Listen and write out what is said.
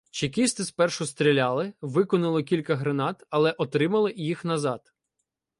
Чекісти спершу стріляли, викинули кілька гранат, але отримали їх назад.